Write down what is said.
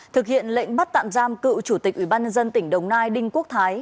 thực hiện lệnh bắt tạm giam cựu chủ tịch ủy ban nhân dân tỉnh đồng nai đinh quốc thái